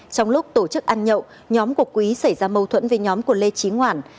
trong lúc tổ chức ăn nhậu nhóm của quý xảy ra mâu thuẫn với nhóm của lê trí ngoản